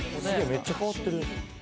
めっちゃ変わってる」